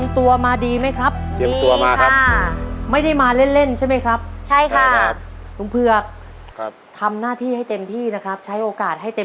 ตอบถูก๓ข้อรับ๑แสงบาท